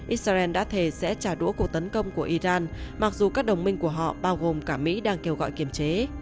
israel đã thề sẽ trả đũa cuộc tấn công của iran mặc dù các đồng minh của họ bao gồm cả mỹ đang kêu gọi kiềm chế